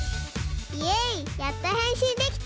イエイやっとへんしんできた。